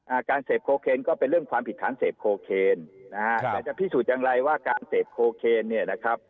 การเสพโคเคนก็เป็นเรื่องความผิดฐานเสพโคเคนนะฮะแต่จะพิสูจน์อย่างไรว่าการเสพโคเคนเนี่ยนะครับ